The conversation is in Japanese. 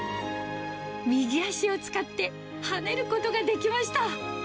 右脚を使って、跳ねることができました。